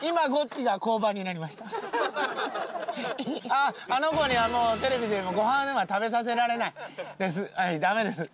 あああの子にはもうテレビではご飯は食べさせられないです。